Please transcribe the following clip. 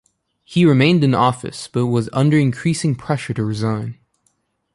He remained in office, but was under increasing pressure to resign.